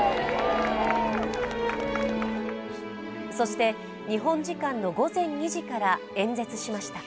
そして、日本時間の午前２時から演説しました。